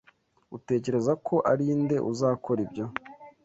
Utekereza ko ari nde uzakora ibyo?